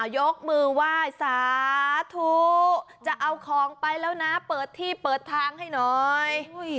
ยกมือไหว้สาธุจะเอาของไปแล้วนะเปิดที่เปิดทางให้หน่อย